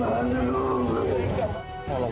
สวัสดีครับ